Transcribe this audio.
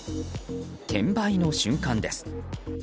転売の瞬間です。